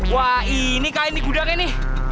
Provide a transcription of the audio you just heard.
wah ini kain di gudang ini